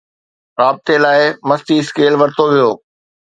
رابطي لاءِ، مستي اسڪيل ورتو ويو